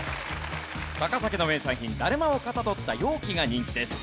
高崎の名産品だるまをかたどった容器が人気です。